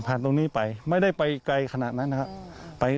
ตรงนี้ไปไม่ได้ไปไกลขนาดนั้นนะครับ